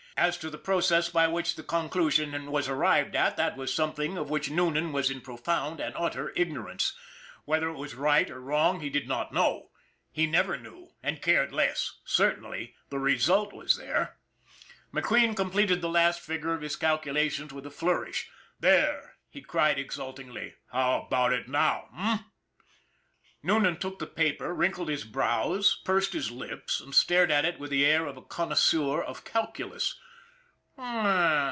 As to the pro cess by which the conclusion was arrived at, that was something of which Noonan was in profound and utter ignorance. Whether it was right or wrong, he did not know. He never knew and cared less! Certainly the result was there. McQueen completed the last figure of his calcula tion with a flourish. " There !" he cried exultingly. " How about it now, eh? " Noonan took the paper, wrinkled his brows, pursed his lips, and stared at it with the air of a connoisseur of calculus.